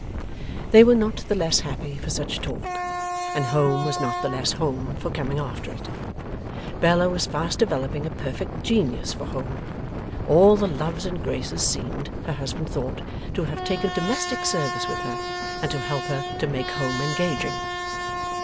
They were not the less happy for such talk, and home was not the less home for coming after it. Bella was fast developing a perfect genius for home. All the loves and graces seemed (her husband thought) to have taken domestic service with her, and to help her to make home engaging.